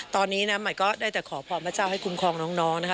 ตอนนี้นะใหม่ก็ได้แต่ขอพรพระเจ้าให้คุ้มครองน้องนะคะ